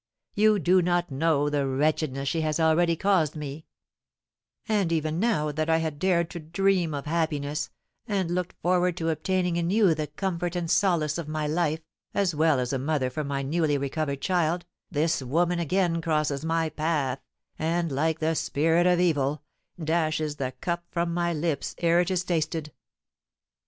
"You do not know the wretchedness she has already caused me; and even now that I had dared to dream of happiness, and looked forward to obtaining in you the comfort and solace of my life, as well as a mother for my newly recovered child, this woman again crosses my path, and, like the spirit of evil, dashes the cup from my lips ere it is tasted."